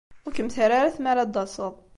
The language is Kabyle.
Ur kem-terri ara tmara ad d-taseḍ.